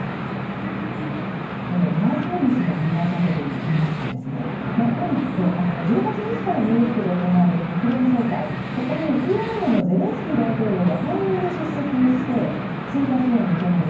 ラマスワミ氏の考え方で言いますと今度、１８日からニューヨークで行われる国連総会にウクライナのゼレンスキー大統領が対面で出席して追加支援を求める。